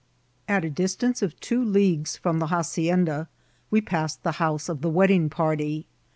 At a distance of two leagues from the hacienda we passed the house of the wedding party.